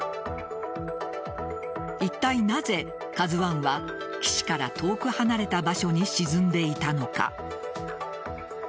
いったいなぜ「ＫＡＺＵ１」は岸から遠く離れた場所に沈んでいたのか。